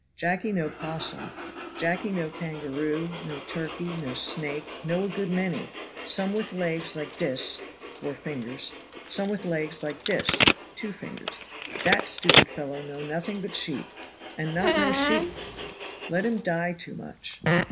Jacky know possum, Jacky know kangaroo, know turkey, know snake, know a good many, some with legs like dis (four fingers), some with legs like dis (two flngers) dat stupid fellow know nothing but sheep, and not know sheep, let him die too much.